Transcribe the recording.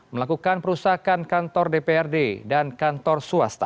melakukan perusahaan kantor dprd dan kantor